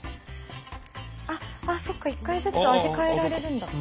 ああっそうか１回ずつ味変えられるんだ。